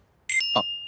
あっ。